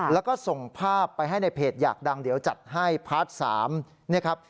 แล้วก็ส่งภาพไปให้ในเพจอยากดังเดี๋ยวจัดให้พาร์ท๓เนี่ยครับ